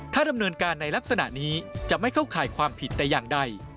ถ้าดำเนินการในลักษณะนี้จะไม่เข้าข่ายความผิดแต่อย่างใด